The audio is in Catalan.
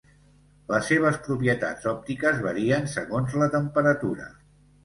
Les seves propietats òptiques varien segons la temperatura.